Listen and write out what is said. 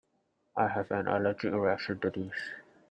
I have an allergic reaction to this.